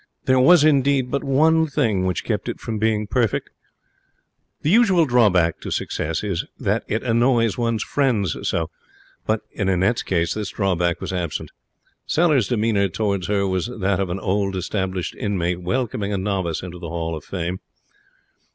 There was, indeed, but one thing which kept it from being perfect. The usual drawback to success is that it annoys one's friends so; but in Annette's case this drawback was absent. Sellers' demeanour towards her was that of an old established inmate welcoming a novice into the Hall of Fame.